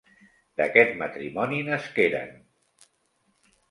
D'aquest matrimoni nasqueren: